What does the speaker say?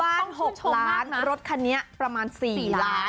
๖ล้านรถคันนี้ประมาณ๔ล้าน